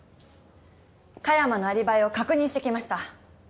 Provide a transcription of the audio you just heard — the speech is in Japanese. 加山のアリバイを確認してきました。